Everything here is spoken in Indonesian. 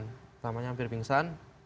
pertamanya hampir pingsan